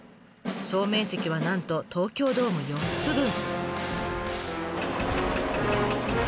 総面積はなんと東京ドーム４つ分。